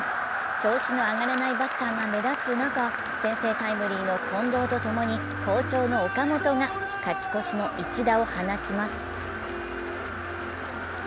調子の上がらないバッターが目立つ中、先制タイムリーの近藤と共に好調の岡本が勝ち越しの一打を放ちます。